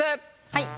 はい。